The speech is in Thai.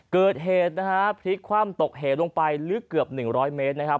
เกิดเหตุแพร็กความตกเหตุลงไปลึกเกือบ๑๐๐เมตร